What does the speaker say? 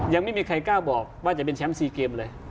ยังไม่มีใครกล้าบอกว่าจะเป็นแชมป์๔เกมเลย